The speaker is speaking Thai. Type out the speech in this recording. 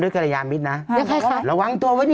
พี่ขับรถไปเจอแบบ